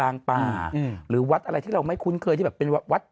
อ่าควรกระจายบุญไป